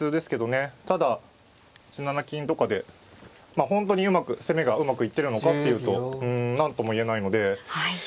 ただ８七金とかで本当にうまく攻めがうまくいってるのかっていうと何とも言えないので。